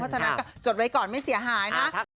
เพราะฉะนั้นก็จดไว้ก่อนไม่เสียหายนะทัก